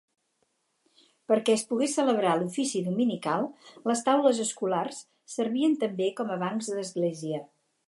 Perquè es pogués celebrar l'ofici dominical, les taules escolars servien també com a bancs d'església.